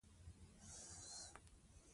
د بازار لوړې او ژورې طبیعي دي.